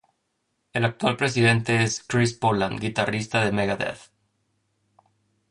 El actual presidente es Chris Poland, guitarrista de "Megadeth".